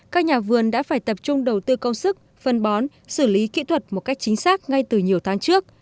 các nhà vườn đã phải tập trung đầu tư công sức phân bón xử lý kỹ thuật một cách chính xác ngay từ nhiều tháng trước